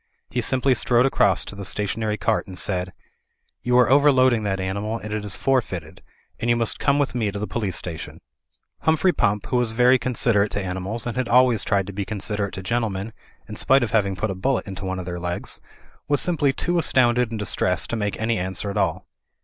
He simply strode across to the stationary cart and said: "You are overloading that animal, and it is forfeited. And you must come with me to the police station/' Digitized by CjOOQIC CREATURE THAT MAN FORGETS 171 Humphrey Pump, who was very considerate to ani mals, and had always tried to be considerate to gentle men, in spite of having put a bullet into one of their legs, was simply too astounded and distressed to make any answer at all.